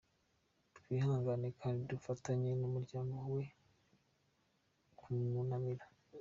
Twihangane kandi dufatanye n’umuryango we kumwunamira.